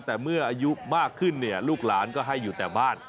แต่เมื่ออายุมากขึ้นเนี่ยลูกหลานก็ให้อยู่แต่บ้าน